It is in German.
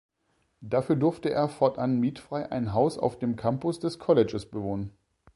Dafür durfte er fortan mietfrei ein Haus auf dem Campus des Colleges bewohnen.